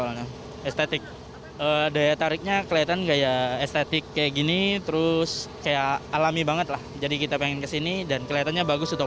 ada yang berlatar belakang restoran rumah rumah tua hingga studio musik